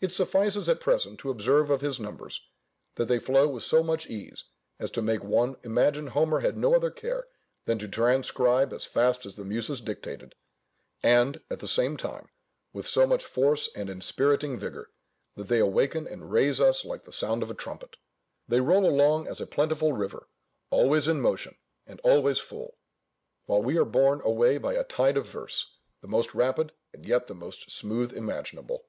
It suffices at present to observe of his numbers, that they flow with so much ease, as to make one imagine Homer had no other care than to transcribe as fast as the Muses dictated, and, at the same time, with so much force and inspiriting vigour, that they awaken and raise us like the sound of a trumpet. They roll along as a plentiful river, always in motion, and always full; while we are borne away by a tide of verse, the most rapid, and yet the most smooth imaginable.